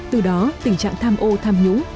từ đó tình trạng tham ô tham nhũng